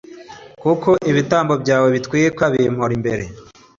kuko ibitambo byawe bitwikwa bimpora imbere